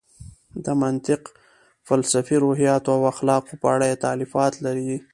د منطق، فلسفې، روحیاتو او اخلاقو په اړه یې تالیفات لري.